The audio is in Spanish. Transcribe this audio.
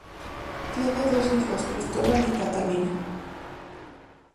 Tiene dos hijos, Cristóbal y Catalina.